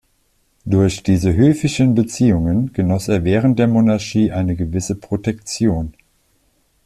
Durch diese höfischen Beziehungen genoss er während der Monarchie eine gewisse Protektion.